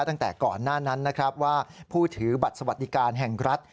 ตั้งแต่ก่อนหน้านั้นนะครับว่าผู้ถือบัตรสวัสดิการแห่งรัฐ